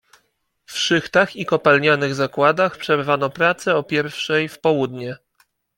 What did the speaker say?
"W szychtach i kopalnianych zakładach przerwano pracę o pierwszej w południe."